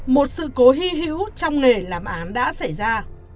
một sự cố hy hữu trong nghề làm án đã xảy ra